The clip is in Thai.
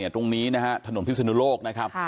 ตรงนี้นะฮะถนนพิศนุโลกนะครับ